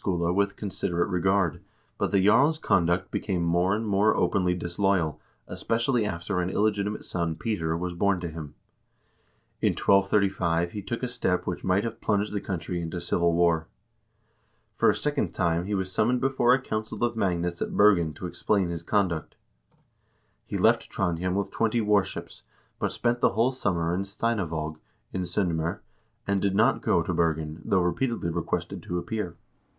VOL. I — 2 E 418 HISTORY OF THE NORWEGIAN PEOPLE King Haakon still treated Skule with considerate regard, but the jarl's conduct became more and more openly disloyal, especially after an illegitimate son, Peter, was born to him. In 1235 he took a step which might have plunged the country into civil war. For a second time he was summoned before a council of magnates at Bergen to explain his conduct. He left Trondhjem with twenty warships, but spent the whole summer in Steinavaag, in S0ndm0r, and did not go to Bergen, though repeatedly requested to appear.